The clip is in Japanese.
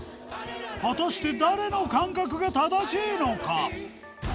果たして誰の感覚が正しいのか？